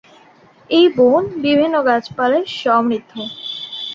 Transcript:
এই বন বিভিন্ন গাছপালায় সমৃদ্ধ।